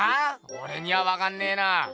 オレにはわかんねぇな。